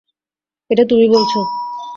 এটা তুমি বলছো।